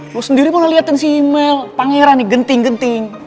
lu sendiri malah liatin si mel pangeran nih genting genting